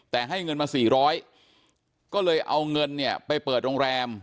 แต่ให้เงินมา๔๐๐ก็เลยเอาเงินเนี่ยไปเปิดโรงแรม